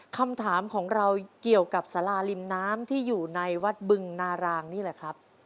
คำถามของเราเกี่ยวกับสาราริมน้ำที่อยู่ในวัดบึงนารางนี่แหละครับ